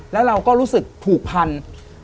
แล้วเราก็รู้สึกผูกพัน